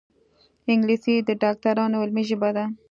انګلیسي د ډاکټرانو علمي ژبه ده